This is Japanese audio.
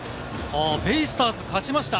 ベイスターズ勝ちました！